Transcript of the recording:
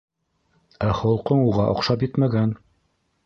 Ә холҡоң уға оҡшап етмәгән.